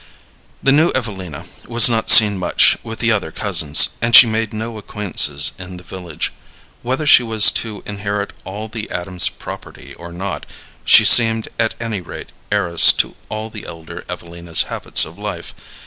The new Evelina was not seen much with the other cousins, and she made no acquaintances in the village. Whether she was to inherit all the Adams property or not, she seemed, at any rate, heiress to all the elder Evelina's habits of life.